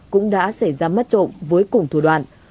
cũng đã xảy ra mất trộm với cùng thủ đoạn